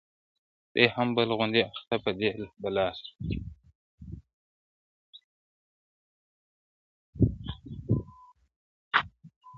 دی هم بل غوندي اخته په دې بلا سو-